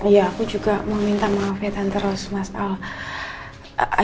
ya aku juga mau minta maaf ya terus mas al